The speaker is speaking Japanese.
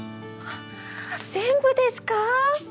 全部ですか？